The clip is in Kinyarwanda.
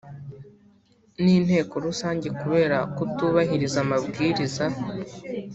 n Inteko Rusange kubera kutubahiriza amabwiriza